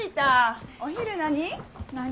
お昼何？